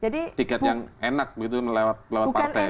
dikat yang enak begitu melewat partai